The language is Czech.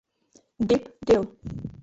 Dip, Dil